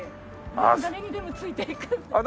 あっ誰にでもついてく？